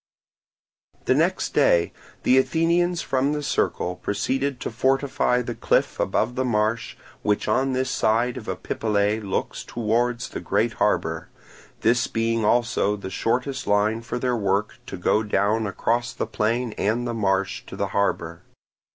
The next day the Athenians from the Circle proceeded to fortify the cliff above the marsh which on this side of Epipolae looks towards the great harbour; this being also the shortest line for their work to go down across the plain and the marsh to the harbour.